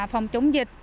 phòng chống dịch